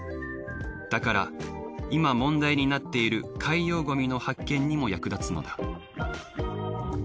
だから今問題になっている海洋ゴミの発見にも役立つのだ。